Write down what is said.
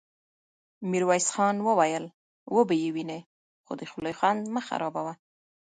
ميرويس خان وويل: وبه يې وينې، خو د خولې خوند مه خرابوه!